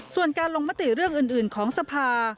ส่วนการลงมติเรื่องอื่นของสภา